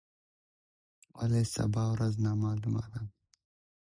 ولي سبا ورځ نامعلومه ده؟